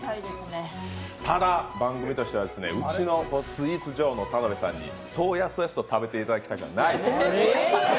ただ、番組としてはうちのスイーツ女王の田辺さんにそうやすやすと食べていただきたくはない。